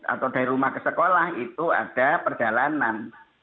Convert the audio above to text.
atau dari rumah ke sekolah itu ada perjalanan